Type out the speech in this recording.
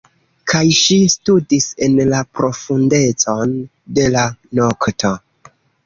Kaj ŝi studis en la profundecon de la nokto.